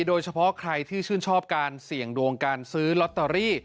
โดยเฉพาะใครที่ชื่นชอบการเสี่ยงดวงการซื้อลอตเตอรี่